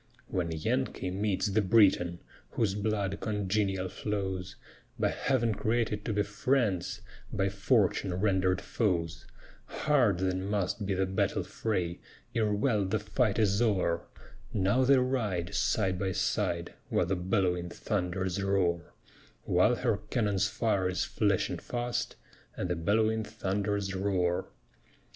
When Yankee meets the Briton, Whose blood congenial flows, By Heav'n created to be friends, By fortune rendered foes; Hard then must be the battle fray, Ere well the fight is o'er; Now they ride, side by side, While the bell'wing thunders roar, While her cannon's fire is flashing fast, And the bell'wing thunders roar.